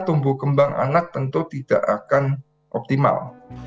tumbuh kembang anak tentu tidak akan optimal